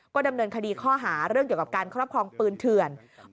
ดำเนินคดีข้อหาเรื่องเกี่ยวกับการครอบครองปืนเถื่อน